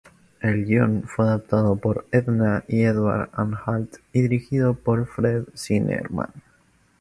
El guión fue adaptado por Edna y Edward Anhalt, y dirigido por Fred Zinnemann.